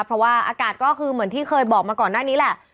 เพราะว่าอากาศก็คือเหมือนที่เคยบอกมาก่อนหน้านี้แหละ